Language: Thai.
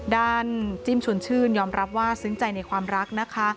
จิ้มชวนชื่นยอมรับว่าซึ้งใจในความรักนะคะ